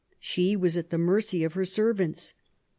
She was at the mercy of her servants.